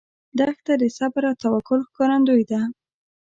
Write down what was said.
دښته د صبر او توکل ښکارندوی ده.